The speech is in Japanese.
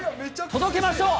届けましょう。